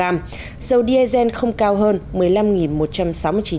dầu diesel không cao hơn